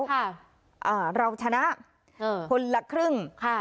อ่าเราชนะเออคนละครึ่งค่ะ